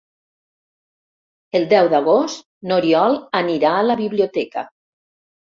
El deu d'agost n'Oriol anirà a la biblioteca.